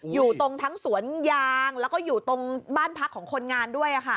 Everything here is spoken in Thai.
อยู่ตรงทั้งสวนยางแล้วก็อยู่ตรงบ้านพักของคนงานด้วยค่ะ